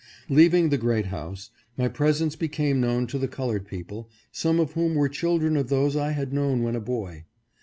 Leaving the Great House, my presence became known to the colored people, some of whom were children of those I had known when a boy.